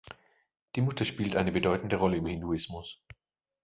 Die Mutter spielt eine bedeutende Rolle im Hinduismus.